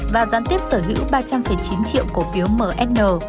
và gián tiếp sở hữu ba trăm linh chín triệu cổ phiếu mn